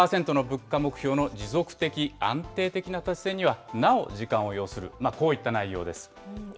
２％の物価目標の持続的安定的な達成にはなお時間を要する、こういった内容です。